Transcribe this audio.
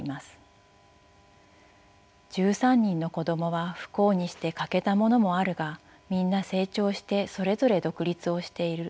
「１３人の子供は不幸にして欠けた者もあるがみんな成長してそれぞれ独立をしている。